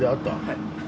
はい。